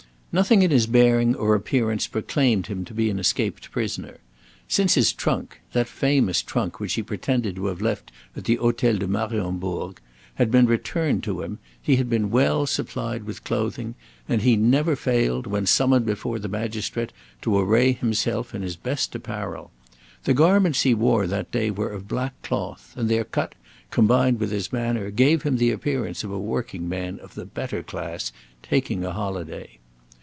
Nothing in his bearing or appearance proclaimed him to be an escaped prisoner. Since his trunk that famous trunk which he pretended to have left at the Hotel de Mariembourg had been returned to him, he had been well supplied with clothing: and he never failed, when summoned before the magistrate, to array himself in his best apparel. The garments he wore that day were black cloth, and their cut, combined with his manner, gave him the appearance of a working man of the better class taking a holiday.